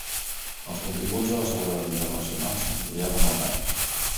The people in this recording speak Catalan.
Els continguts de la seguretat internacional s'han ampliat amb els anys.